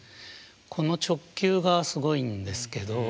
この直球がすごいんですけど。